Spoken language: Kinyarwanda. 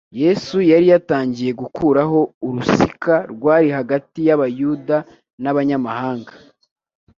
Yesu yari yatangiye gukuraho urusika rwari hagati y’Abayuda n’Abanyamahanga,